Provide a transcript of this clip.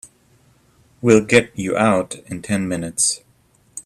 We'll get you out in ten minutes.